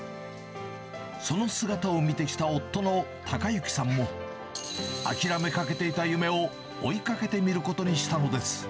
その姿を見てきた夫の孝幸さんも、諦めかけていた夢を、追いかけてみることにしたのです。